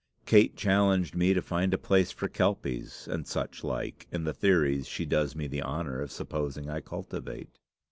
Kate challenged me to find a place for kelpies, and such like, in the theories she does me the honour of supposing I cultivate."